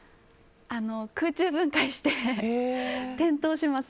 空中分解して転倒します。